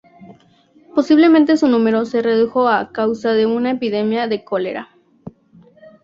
Posiblemente su número se redujo a causa de una epidemia de cólera.